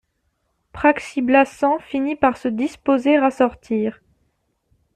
Praxi-Blassans finit par se disposer à sortir.